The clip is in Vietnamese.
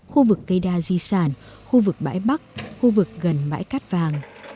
khu vực cây đa di sản khu vực bãi bắc khu vực gần bãi cát vàng